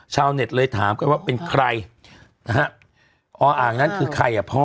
ชาวเน็ตเลยถามกันว่าเป็นใครนะฮะออ่างนั้นคือใครอ่ะพ่อ